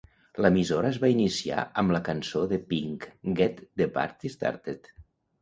L'emissora es va iniciar amb la cançó de Pink "Get The Party Started".